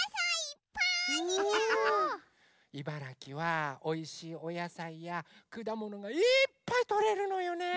茨城はおいしいおやさいやくだものがいっぱいとれるのよね！